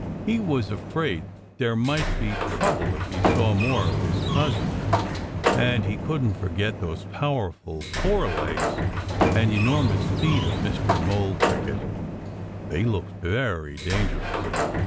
He was afraid there might be trouble if he saw more of his cousin. And he couldn't forget those powerful forelegs and enormous feet of Mr. Mole Cricket! They looked very dangerous.